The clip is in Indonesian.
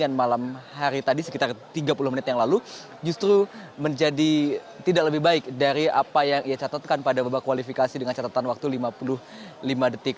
yang malam hari tadi sekitar tiga puluh menit yang lalu justru menjadi tidak lebih baik dari apa yang ia catatkan pada babak kualifikasi dengan catatan waktu lima puluh lima detik